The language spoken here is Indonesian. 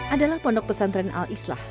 adalah pondok pesantren al islah